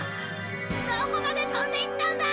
どこまでとんでいったんだ！